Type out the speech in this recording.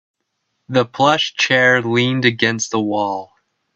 The plush chair leaned against the wall.